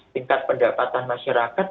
tingkat pendapatan masyarakat